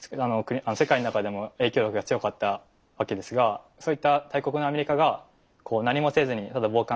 世界の中でも影響力が強かったわけですがそういった大国のアメリカが何もせずにただ傍観している。